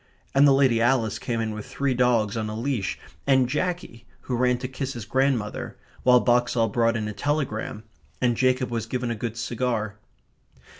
And the Lady Alice came in with three dogs on a leash, and Jackie, who ran to kiss his grandmother, while Boxall brought in a telegram, and Jacob was given a good cigar.